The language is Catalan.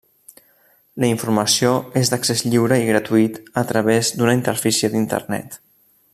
La informació és d'accés lliure i gratuït a través d'una interfície d'Internet.